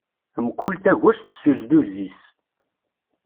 Mkul tagwest s uzduz is.